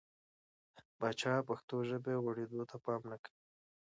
پاچا پښتو ژبې غوړېدو ته پام نه کوي .